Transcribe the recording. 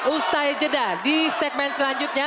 usai jedah di segmen selanjutnya